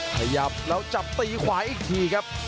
ขยับแล้วจับตีขวาอีกทีครับ